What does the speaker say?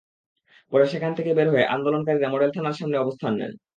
পরে সেখান থেকে বের হয়ে আন্দোলনকারীরা মডেল থানার সামনে অবস্থান নেন।